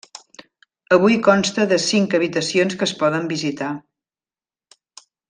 Avui consta de cinc habitacions que es poden visitar.